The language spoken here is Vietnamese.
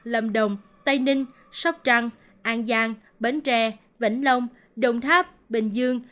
lâm đồng tây ninh sóc trăng an giang bến tre vĩnh long đồng tháp bình dương